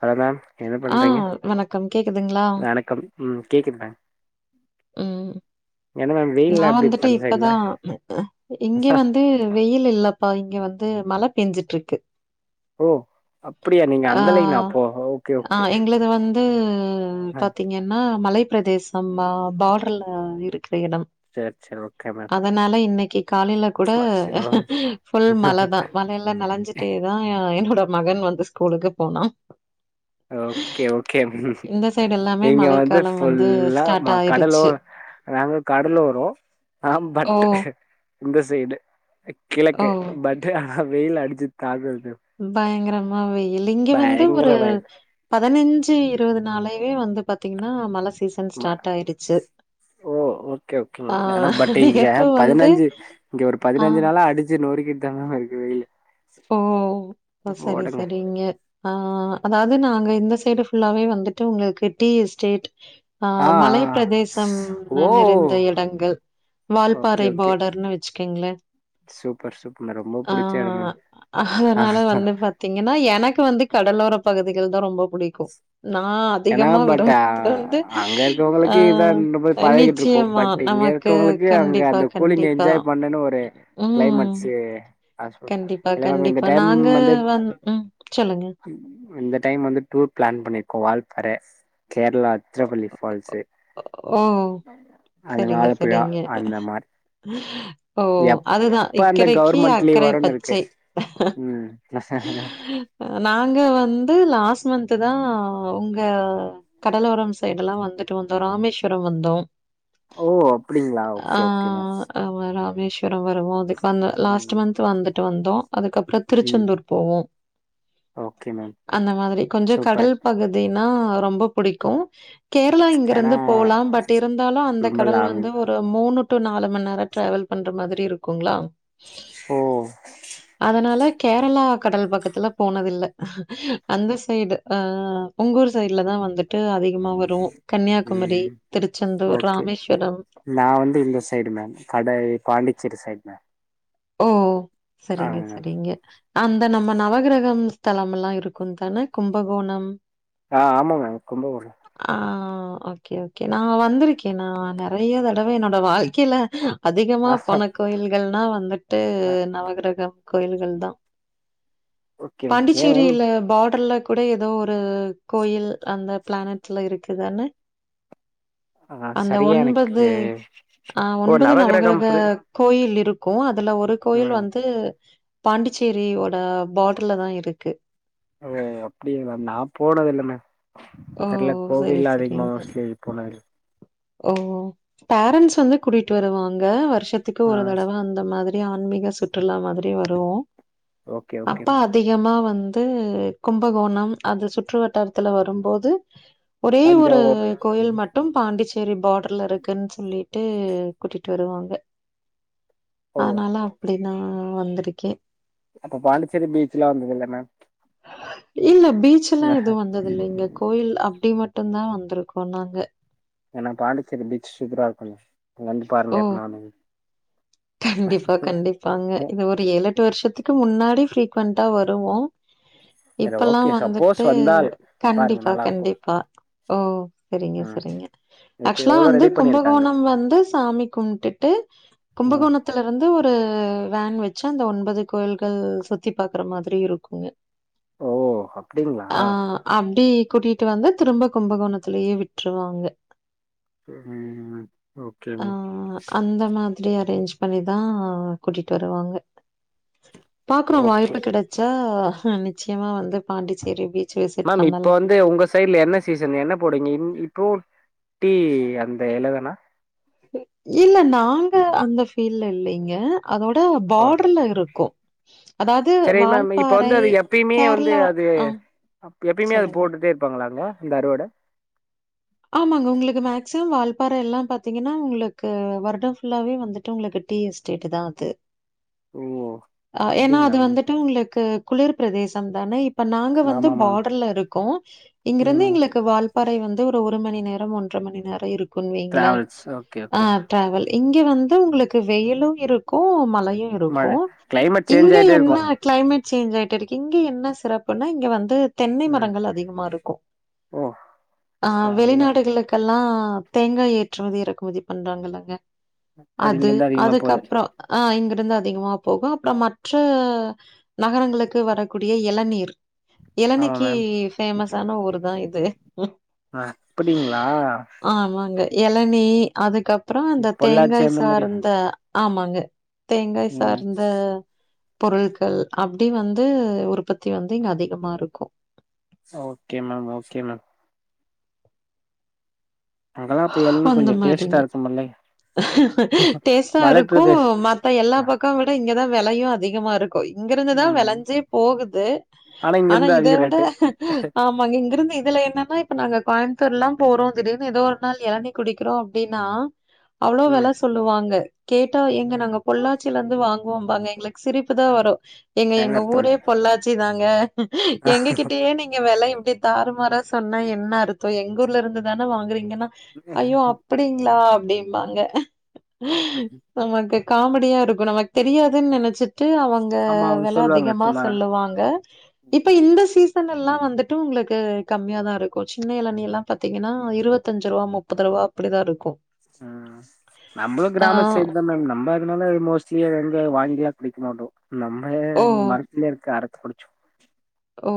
Hello ma'am என்ன ஆ பண்றிங்க வணக்கம் கேக்குதுங்களா? வணக்கம் ம் கேக்குது மேம் ம் என்ன மேம் வெயில்லா நா எப்டி இருக்கு வந்துட்டு அந்த சைடுல இப்பதா அ இங்கே வந் ட்டு வெயில் இல்லப்பா இங்க வந்து மழ பெஞ்சிட்ருக்கு ஓ அப்டியா நீங்க அந்த லைனா அப்போ ஓக்கே ஓக்கே இது வந்து பாத்திங்கன்னா மலைப்பிரதேசம்மா பார்ட்ருல்லா இருக்குற எடம் சேர் சேர் ஓக் அதனால இன்னிக்கு காலைல கூட அச்சோ ஃபுல் மழதா மழைல்ல நளஞ்சிட் ட்டே தா என்னோட மகன் வந்து ஸ்கூலுக்கு போனான் ஓக்கே ஓக்கே இந்த சைடு எல்லாமே இங்க வந்து மழைக்காலம் ஃபுல்லா ஸ்டார்ட் ம கடல் லோ ஆயிருச்சு. நாங்க கடலோரோ ஆ ஓ! பட் இந்த சைடு ஓ! கிழக்கு பட் ஆ வெயில் அடிச்சு தாக்குறது பயங்கரமா வெயில் இங்க வந்து ஒரு வயல் பதனஞ்சு இருவது நாள்லய வந்து பாத்திங்கன்னா மழ சீசன் ம ஸ்டார்ட் ஆய்ருச்சு ஓ ஓக்கே ஓக்கேங் ஆனா பட்டு இங்க நேத்து வந்து பதினஞ்சு இங்க ஒரு ஆ பதினஞ்சு நாளா அடிச் சி நோருகிட் தாங்க இருக்கு வெய்லு ஓ ஒ சரி சரிங்க ஆ அதாது நாங்க இந்த சைடு ஃபுல்லாவே வந்துட்டு உங்கள்க்கு டீ எஸ்டேட் ஆ மலை பிரதேசம் ஓ நெ நிறைந்த எடங்கள் ஓகே வால்பாறை ஓகே பார்டர்னு வெ சுக்குங்ளேன் சூப்பர் சூப்பர் மேடம் ரொம்ப புடிச்ச எடம் மேம் அதனால வந்து பாத் த்திங்கன்னா எனக்கு வந்து கடலோர பகுதிகள் தா ரொம்ப புடிக்கும் நா ஏன்னா அதிகமா பட் அ விரும்புறது வந்து அங்க ஆ இருக்கவங்களுக்கு இதா ரொம்ப பழகிட்டு இருக்கோ நிச்சயமா பட் இங்க நமக்கு ஆ இருக்கவங்களுக்கு அங்க கண்டிப்பா அந்த கூலிங் கண்டிப்பா என்ஜாய் பண்ணனு ஒரு ம் கிளைமேட்ஸு கண்டிப்பா இல்ல மேம் இந்த கண்டிப்பா டைம் நாங்க வந்து வந் ம் சொல்லுங்க இந்த டைம் வந்து டூர் ப்ளான் பண்ணிர்க்கோ வால்பாற கேர்ளா அத்ரப்பள்ளி ஃபால்ஸ்ஸு ஓ செரிங்க வாழப்பழா செரிங்க அந்த மாரி ஓ எப்ப அதுதா அந்த இக்கறைக்கு கவர்மெண்ட் லீவ் அக்கறை வரும்னு இருக்கு பச்சை ம் நாங்க வந்து லாஸ்ட் மந்த்து தா உங்க கடலோரம் சைடுல்லா வந்துட்டு வந்தோம் ராமேஸ்வரோம் வந்தோம் ஓ அப்டிங்ளா ஓக்கே ஓக்கேங்க ஆ வர ராமேஸ்வரோம் வருவோ அதுக்கு வந்து லாஸ்ட் ம் மந்த் வந்துட்டு வந்தோ அதுக்கப்றோ ம் திருச்செந்தூர் போவோ ஓகே மேம் அந்த மாதிரி கொஞ்சோ கடல் சூப்பர் பகுதி பதினா ரொம்ப புடிக்கு கேரளா ஏன்னா இங்கெருந்து போலா பட் இருந்தாலு அந்த ரொம்ப கடல் லாங் வந்து ஒ ரு மூணு டு நாலு மணி நேர டிராவல் பண்ற மாதிரி இருக்குங்களா ஓ அதனால கேரளா கடல் பக்கத்துல போனதுல்ல அந்த சைடு ஆ உங்க ஊர் சைட்ல தா வந்துட்டு அதிகமா வரு கன்யா குமரி ம் திருச்செந்தூர் ஓகே ராமேஷ்வரம் நா வந்து இந்த சைடு மேம் கட பாண்டிச்சேரி சைட் மே ஓ சரிங்க சரிங்க அந்த நம்ம நவகிரகம் ஸ்தலம் எல்லா இருக்கு தானே கும்பகோணம் ஆ ஆமா மேங்க கும்பகோன ஆ ஓகே ஓகே நா வந்துருக்கே நா நறைய தடவ என்னோட வாழ்க்கையில அதிகமா ஆ போன கோயில்கள்னா வந்துட்டு ஆ நவகிரகம் கோயில்கள் தா ஓகே ஏன் மேம் பாண்டிச்சேரியில பார்டர்ல கூட ஏதோ ஒரு கோயில் அந்த பிளானட்ல இருக்குதானே ஆ அந்த சரியா ஒன்பது எனக்கு ஆ ஓ ஒன்பது நவகிரகம் நவக்றக புரி கோயில் இருக்கு அதுல ஒரு கோயில் ம் வந்து பாண்டிச்சேரியோட பார்டர்ல தா இருக்கு ஓ அப்டிங்களா நா போனதுல்லம ஓ! தெர்ல சரி, கோவில்லா அதிகமா சரிங்க. மோஸ்ட்லி போனதில்ல ஓ பேரண்ட்ஸ் வந்து கூட்டிட்டு வருவாங்க வருஷத்துக்கு ஆ ஒரு தடவ அந் த மாதிரி ஆன்மீக சுற்றுலா மாதிரி வருவோ ஓகே ஓகே அப்ப அ மேம் அதிகமா வந்து கும்பகோணம் அது சுற்று வட்டாரத்துல வரும்போது ஒரே ஒரு தஞ்சாவூர் கோயில் ம். மட் டு பாண்டிச்சேரி பார்டர்ல இருக்குன் சொல்லிட்டு கூட்டிட்டு வருவாங்க ஓ அனால அப்டிதா வந்துருக்கே அப்ப பாண்டிச்சேரி பீச்லா வந்தது எல்லாமே இல்ல பீச்ல்லா எதுவு வந்தது இல்லைங்க கோயில் அப்டி மட்டுதா வந்துருக்கோ நாங்க ஏன்னா பாண்டிச்சேரி பீச் சூப்பரா இருங்க அங்க வந்து ஓ! பாருங்க எப்பனானு கண்டிப்பா கண்டிப்பாங்க இது ஒரு ஏழெட்டு வருஷத்துக்கு முன்னாடி ஃப்ரீக்வண்ட்டா வருவோ சரி இப்பல்லா ஓகே சப்போஸ் வந்துட்டு வந்தால் பாருங்க கண்டிப்பா நல்லா இருக்கு கண்டிப்பா ஓ சரிங்க ம் சரிங்க இப்ப ஆக்சுவலா எவ்ளோ வந்து ரெடி பண்ணிருக்காங்க கும்பகோணம் வந்து சாமி கும்ட்டுட்டு ம் கும்பகோணத் த்துல இருந்து ஒரு வேன் வெச்சு அந்த ஒன்பது கோயில்கள் சுத்தி பாக்குற மாதிரி இருக்குங்க ஓ அப்டிங்ளா அப்டி கூட்டிட்டு வந்து திரும்ப கும்பகோணத்திலேயே விட்ருவாங்க ம் ஓகே ஆ மேம் அந்த மா திரி அரேஞ்ச் பண்ணிதா கூட்டிட்டு வருவாங்க பாக்குறோ ஓகே வாய்ப்பு கெட ச்சா நிச்சயமா வந்து பாண்டிச்சேரி பீ மேம் இப்ப வந்து உங்க சைட்ல என்ன சீசன் என்ன போடுங்க இன் இப்போ டீ அந்த இல தானா இல்ல நாங்க அந்த ஃபீல்ல இல்லைங்க அதோட பார்டர்ல இருக்கு சரிங் மேம் இப்ப வந்து அது எப்பயுமே வந்து கேரளா அது ஆ எப்பயுமே அது சொல்லுங்க. போட்டுட்டே இருப்பாங்களாங்க இந்த அறுவோடை ஆமாங்க உங்களுக்கு மேக்சிமம் வால்பாறை எல்லாம் பாத்தீங்கன்னா உங்களுக்கு வருடம் ஃபுல்லாவே வந்துட்டு உங்களுக்கு டீ எஸ்டேட் தா அது ஓ அ ஏன்னா அப்டிங்களா அது மேம் வந்துட்டு உங்களுக்கு குளிர் பிரதேசந் தானே இ ப்ப நாங்க வந்து ஆமா மேம் பார்டர்ல இருக்கோ இங்கிருந்து ம் எங்களுக்கு வால்ப்பாறை வந்து ஒரு மணி நேரம் ஒன்றரை மணி நேரம் இருக்குன்னு வைங்களே டிராவல்ஸ் ஓகே அ ஓகே ட்ராவல் இங்க வந்து உங்களுக்கு வெயிலும் இருக்கும் மழையு மழ இருக்கு கிளைமேட் சேஞ்ச் இங்க ஆயிட்டே இருக்கு என்னா கிளைமேட் சேஞ்ச் ஆயிட்டு இருக்கு இங்க என்ன சிறப்புன்னா இங்க வந்து தென்னை ம் மரங்கள் அதிகமா இருக்கும் ஓ ஆ செம வெளிநாடுகளுக்கெல்லா தேங்கா ஏற்றுமதி இறக்குமதி பண்றாங்கல்லங்க அது இங்கிருந்து அதிகமா போது அதுக்கப்றோ ஆ இங்கிருந்து அதிகமா போகும் அப்புறோ மற்ற நகரங்களுக்கு வரக்கூடிய இளநீர் ஆமா இளநீக்கு மேம் பேஃமஸான ஊரு தா இது அ அப்படிங்ளா ஆமாங்க இளநீ அதுக்கப்றோ அந்த பொள்ளாச்சி தேங்காய் அந்த மாரி சார்ந்த ஆமாங்க தேங்காய் ம் சார்ந்த பொருட்கள் அப்டி வந்து உற்பத்தி வந்து இங்க அதிகமா இருக்கும் ஓக்கே மேம் ஓக்கே மேம் அங்கெல்லா அப்ப எளநி அந்த கொஞ்ச டேஸ்ட்டா மாதிரிங்க இருக்குமுல்ல டேஸ்டா மலை இருக்கும் பிரதேஷ் மத் த எல்லா பக்கம் விட இங்கதா விலையு அதிகமா இருக் கும் இங்க இருந்துதா ம் விளைஞ்சே போகுது இங்க ஆனா இருந்து இத அதிக விட ரேட்டு ஆம் மா நீ இங்கிருந்து இதுல என்னன்னா இப்ப நாங்க கோயம்புத்தூர்லா போறோ திடீர்னு ஏதோ ஒரு நாள் இளநீ குடிக்கிறோ அப்படின்னா அவ்ளோ ம் விலை சொல்லுவாங்க கேட்டா எங்க நாங்க பொள்ளாச்சியில இருந்து வாங்குவோம் பாங்க எங்களுக்கு சிரிப்புதா வரும் ஏங்க எங்க ஊரே பொள்ளாச்சி தாங்க எங்ககிட்டயே நீங்க வில இப்டி தாருமாரா சொன்னா என்ன அர்த்தோ எங்க ஊர்ல இருந்துதானே வாங்குறீங்கன்னா ஐய்யோ அப் பிடிங்ளா அப்டிம்பாங்க நமக்கு காமெடியா இருக்கும் நமக்கு தெரியாதுன்னு நினைச்சு ட்டு அவங்க ஆமா அவங்க வில சொல்லுவாங்க அதிகமா சும்மா சொல்லுவாங்க இப்ப இந்த சீசன் எல்லா வந்துட்டு உங்களுக்கு கம்மியா தா இருக்கும் சின்ன இளநீ எல்லா பாத்தீங்கன்னா இருவத்தஞ்சு ரூவா முப்பது ரூவா அப்டிதா இருக்கும் உம் நம்பளும் ஆ கிராமத்து சைடு தா மேம் நம்ப அதனால மோஸ்ட்லி எங்க வாங்கி எல்லா குடிக்க மாட்டோ நம்ம ஓ! மரத்துலயே இருக்கு அறத்து குடிச்சு ஓ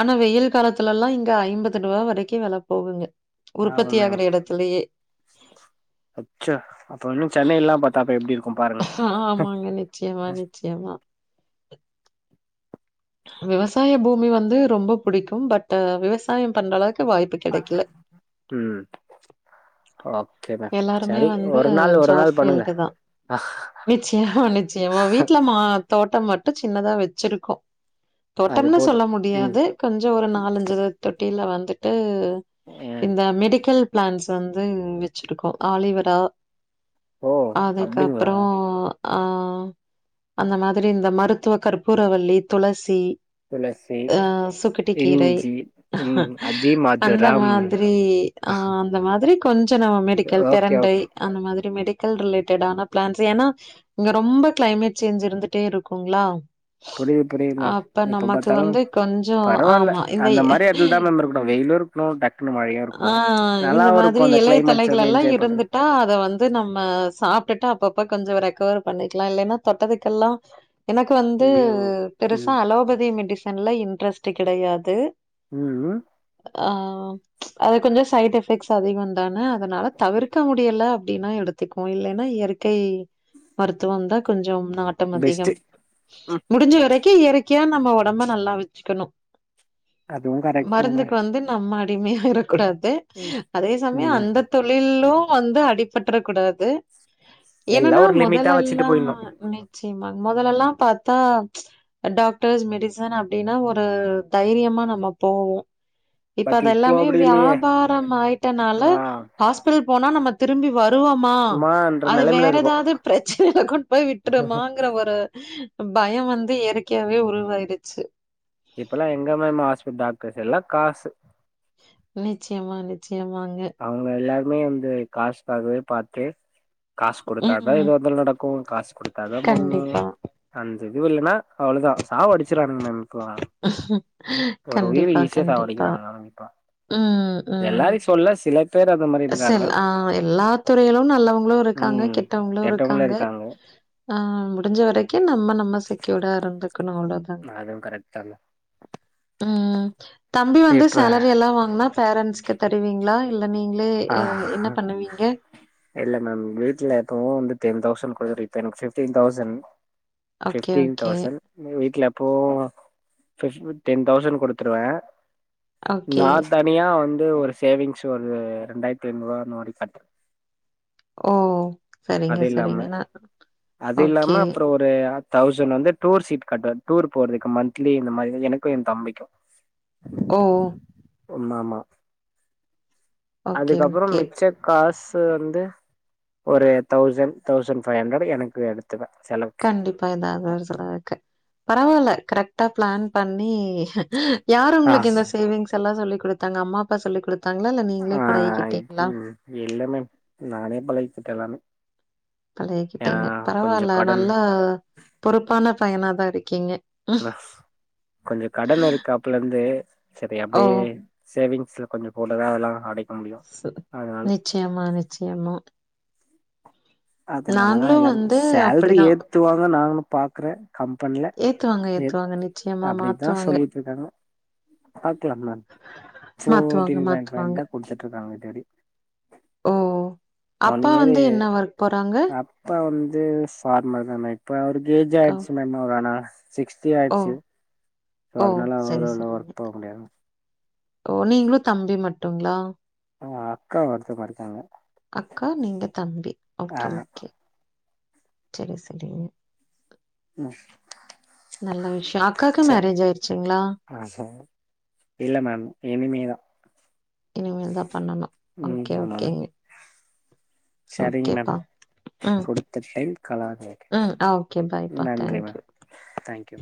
ஆனா வெயில் காலத்துல எல்லா இங்க ஐம்பது ரூபா வரைக்கும் வில போகுங்க ஆமா மேம் உற்பத்தியாகிற இடத்திலயே அச்சோ அப்ப இன்னு சென்னையில்லா பாத்தா அப்ப எப்டி இருக்கும் பாருங்களே ஆமாங்க நிச் நிச்சயமா நிச்சயமா விவசாய பூமி வந்து ரொம்ப புடிக்கும் பட் விவசாயம் பண்ற அளவுக்கு வாய்ப்பு பாங்க கெடைக்கல. உம் ஓக்கே மேம் எல்லாருமே சரி வந்து ஒரு நாள் ஒரு ஜாப் நாள் பண்ணுங்க ஃபீல்டு தான். ஆ நிச்சயமா நிச்சயமா வீட்ல மா தோட்டம் மட்டும் சின்னதா வச்சிருக்கோ அது தோட்டம்னு போது சொல்ல ம் முடியாது கொஞ்சொ ஒரு நாலஞ்சு தொட்டில வந்துட்டு ம் இந்த மெடிக்கல் பிளான்ட்ஸ் வந்து வெச்சிருக்கோ ஆலிவெரா ஓ அப்டிங்களா அதுக்கப்றொ ஆ அந்த மாதிரி இந்த மருத்துவ கற்பூரவள்ளி துளசி துளசி அ சுக்கட்டி கீரை இஞ்சி ம் அந்த அதிமதுரம் மாதிரி ஆ அந்த மாதிரி கொஞ்சொ நம்ம மெடிக்கல் ஓகே பெரண்டை ஓகே அந்த மாதிரி மெடிக்கல் ரிலேட்டடான பிளான்ட்ஸ் ஏன்னா இங்க ரொம்ப கிளைமேட் சேஞ்ச் இருந்துட்டே இருக்குங்ளா புரியுது புரிய்துங்க இப்ப பாத்தாலு வந்து கொஞ்சோ பரவால்ல ஆமா இந்த அந்த மாரி எட்த்துல தா மேம் இருக்குனு வெயிலு இருக்னு டக்குன்னு மழையு இருக்குணு நல்லாவு இருக்கு அந்த கிளைமேட் இதுலல்லா இருந்துட் டா அத வந்து நம்ம சாப்ட்டுட்டு அப்பப்ப கொஞ்சொ ரெக்கவர் பண்ணிக்கலா இல்லன்னா தொட்டதுக்கெல்லா எனக்கு வந்து ஐயோ பெருசா ம் அலோபதி மெடிசன்ல இன்ட்ரெஸ்ட் கிடையாது ம் ம் ஆ அது கொஞ்சொ சைட் எஃபெக்ட்ஸ் அதிகொந் தான அதுனால தவிர்க்க முடியல அப்டின்னா எடுத்துக்குவோ இல்லைன்னா இயற்கை மருத்துவம்தா கொஞ்சொ நாட் டம் பெஸ்ட்டு அதிகம் ம் முடுஞ்ச வரக்கி இயற்கையா நம்ம ஒடம்ப நல்லா வச்சுக்கணு அதுவு கரெக்ட் தா மேம் மருந்துக்கு வந்து நம்ம அடிமையா ஆயிரக்கூடாது அதே சமயொ ம் அந்த தொழில்லு வந்து அடிப்பட்றக் கூடாது எல்லா என்னன்னா ஒரு லிமிட்டா வச்சுட்டு மொதலெல்லா போயிட்ணு நிச்சயமா மொதலெல்லா பாத்தா டாக்டர்ஸ் மெடிசன் அப்டின்னா ஒரு தைரியமா நம்ம போவோ இப்ப பட் இப்போ அதெல்லாமே அப்டி இல்லையே வியாபாரம் ஆயிட்டனால ஆ ஹாஸ்பிடல் போனா நம்ம திரும்பி வரு வருவமா சும்மான்ற அது நெலைமைல வேற இருக்கோ எதாவ்து பிரச்சனைல கொண்டு போய் விட்ருமாங்குற ஒரு பயொ வந்து இயற்கையாவே உருவாயிடுச்சு இப்பெல்லா எங்க மேம் ஹஸ்பிட் டாக்டர்ஸ் எல்லா காசு நிச்சியமா நிச்சியமாங்க அவுங்க எல்லாருமே வந்து காசுக்காவே பாத்து காஸ் குடுத்தாதாப்பா ம். எதுவா இருந்தாலு நடக்கு காசு குடுத்தாதா பண்ணு கண்டிப்பா. அந்த இதுவு இல்லனா அவ்ளதா சாவ அடுச்சிரானுங்க மேம் இப்பல்லா ஒரு உயிர் கண்டிப்பா, ஈசியா கண்டிப்பா. சாவடிக்கிறாங்கப்பா ம், ம். எல்லாரையு சொல்ல சில பேர் அந்த மாரி இருக்காங்க செல் ஆ எல்லா துறையிலு நல்லவுங்களு இருக்காங்க ம் கெட்டவுங்களு கெட்டவங்களு இருக்காங்க ஆ முடுஞ்ச வரக்கி நம்ம நம்ம செக்யோடா இருந்துக்கணு அவ்ளோதா அதுவு கரெக்ட் தாங்க ம் தம்பி வந்து இப்ப சேலரி எல்லா வாங்குனா பேரன்ஸ்கு தர் ட்டுவீங்ளா இல்ல நீங்களே ஆ எ என்ன பண்ணுவீங்க இல்ல மேம் வீ்ட்ல எப்பவு வந்து டென்தௌசண் குடுதுட் இப்ப எனக்கு fifteen thousand okay, fifteen okay, thousand வீட்ல எப்பவு ஃபிப் டென் தௌசண் குடுத்துருவே ஓகே. நா தனியா வந்து ஒரு சேவிங்ஸ் ஒரு ரெண்டாயிர்த்தி ஐநூ ருவா இந்த மாரி கட்றே ஓ! சரிங்க, அது இல்லாம சரிங்க. நான் அது இல்லாம ஓகே. அப்றொ ஒரு ஒரு தௌசண் வந்து டூர் சீட் கட்டுவே டூர் போறதுக்கு மந்த்லி இந்த மாரி எனக்கு எ தம்பிக்கு ஓ ஓ மாமா ஓகே, அதுக்கப்பறொ ஓகே. மிச்சக் காசு வந்து ஒரு தௌசண் தௌசண்ட் ஃபை ஹண்ரட் எனக்கு எடுத்துக்வே செலவுக் கண்டிப்பா ஏதாவது ஒரு செலவு இருக்கு பரவால்ல கரெக்ட்டா பிளான் பண்ணி யாரு ஆ உங்களுக்கு இந்த சேவிங்ஸ் எல்லா சொல்லி குடுத்தாங்க அம்மா அப்பா சொல்லி குடுத்தாங்களா இல்ல நீங்களே ஆ பழகிகிட்டீங்களா ம் இல்ல மேம் நானே பழகிகிட்டே எல்லாமே ஏன்னா பழகிகிட்டீங்க கொஞ்சோ பரவால்ல கடன் நல்லா பொறுப்பான பயனாதா இருக்கீங்க கொஞ்சோ கடன் இருக்கு அப்பல இருந்து சரி ஓ! அப்டியே சேவிங்ஸ்ல கொஞ்சோ போட்டுதா அதல்லா அடை நிச்சயமா நிச்சயமா அது நாலதா நாங்களும் எல்லாமே வந்து சேல்ரி அப்படிதான். ஏத்துவாங்க நானு பாக்குறே கம்பென்ல ஏத்துவாங்க, ஏ ஏத்துவாங்க. நிச்சயமா அப்டிதா மாத்துவாங்க. சொல்லிட்டு இருக்காங்க பாக்கலா மேம் மாத்துவாங்க, ஃபோர்டீன் பாய்ண்ட் ஃபைவ் மாத்துவாங்க. தா குடுத்துட்டு இருக்காங்க டெடி ஓ ஒன் அப்பா வந்து இயரு என்ன ஒர்க் போறாங்க அப்பா வந்து ஃபார்மர் தா மேம் இப்ப அவருக்கு ஏஜ் ஓ! ஆயிருச்சு மேம் அவர் ஆனா சிக்ஸ்டி ஓ! ஆயிடுச்சு ஸோ ஓ! அதுனால சரி, அவரால சரிங்க. ஒர்க் போக முடியாது ஓ நீங்களு தம்பி மட்டுங்களா ஆ அக்கா ஒருத்தவங்க இருக்காங்க அக்கா நீங்க தம்பி ஓகே ஆமா ஓகே செரி செரிங்க ம் நல்ல விஷ்யோ அக்காக்கு ச மேரேஜ் ஆயிருச்சுங்களா ஆ சார் இல்ல மேம் இனிமேதா இனிமேல் தா பண்ணணு ம் ஓகே ஆமா மேம் ஓகேங்க சரிங்க மேம் ஓகேப்பா. ம், குடுத்த டைம் காலவதி ஆகிவிட்டது ம். ஆ ஓகே. பாய்ப்பா. நன்றி தேங்க் யூ. Ma'am thank you